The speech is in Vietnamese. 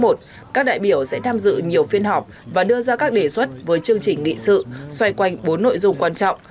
wfef đã tham dự nhiều phiên họp và đưa ra các đề xuất với chương trình nghị sự xoay quanh bốn nội dung quan trọng